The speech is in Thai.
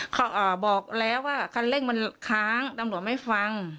เขาบอกแล้วว่าคันเร่งมันค้างตำรวจไม่ฟัง